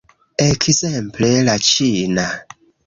Ekzemple, la ĉina.